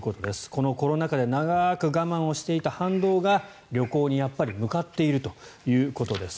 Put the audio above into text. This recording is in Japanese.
このコロナ禍で長く我慢していた反動が旅行に向かっているということです。